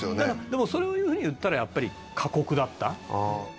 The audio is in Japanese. でもそういうふうに言ったらやっぱり過酷だった。